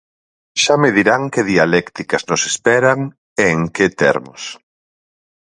Xa me dirán que dialécticas nos esperan e en que termos.